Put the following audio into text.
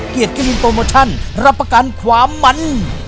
เกียรติกลิ่นโตมทันรับประกันความมัน